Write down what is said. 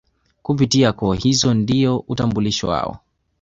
Kupitia koo hizo ndio utambulisho wao